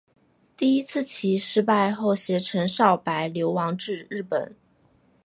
第一次起义失败后偕陈少白流亡至日本。